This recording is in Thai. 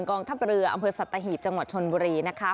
กองท่าเบลืออัมเภทสตหิบจังหวัดชนบทิมปี